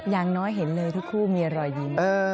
อย่างน้อยเห็นเลยทุกคู่มีรอยยิ้ม